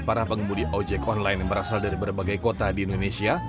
para pengemudi ojek online yang berasal dari berbagai kota di indonesia